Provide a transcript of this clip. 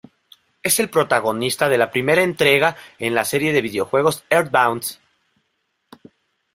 Es el protagonista de la primera entrega de la serie de videojuegos EarthBound.